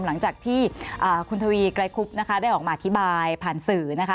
หลังจากที่คุณทวีไกรคุบนะคะได้ออกมาอธิบายผ่านสื่อนะคะ